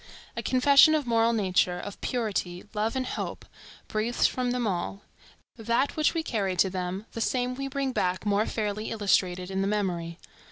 A confession of moral nature, of purity, love, and hope, breathes from them all. That which we carry to them, the same we bring back more fairly illustrated in the memory.